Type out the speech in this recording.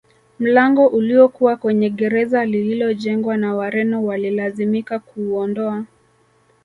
Mlango uliokuwa kwenye gereza lililojengwa na Wareno walilazimika kuuondoa